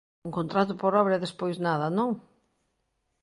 Un contrato por obra e despois nada, non?